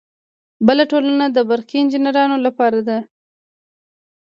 بله ټولنه د برقي انجینرانو لپاره ده.